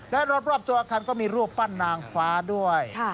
และรอบตัวอาคารก็มีรูปปั้นนางฟ้าด้วย